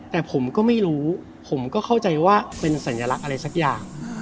แต่ผมก็ไม่รู้ผมก็เข้าใจว่าเป็นสัญลักษณ์อะไรสักอย่าง